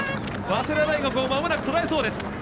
早稲田大学をまもなく捉えそうです。